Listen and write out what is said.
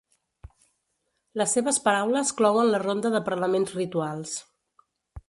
Les seves paraules clouen la ronda de parlaments rituals.